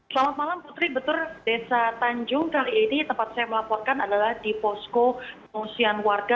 selamat malam putri betul desa tanjung kali ini tempat saya melaporkan adalah di posko pengungsian warga